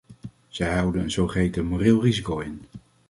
Zij houden een zogeheten moreel risico in.